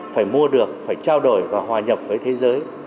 phải mua được phải trao đổi và hòa nhập với thế giới